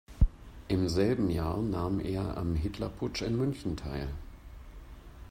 Im selben Jahr nahm er am Hitlerputsch in München teil.